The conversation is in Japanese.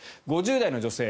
５０代の女性